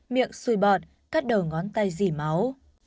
miệng xui bọt cắt đầu ngón tay dì máu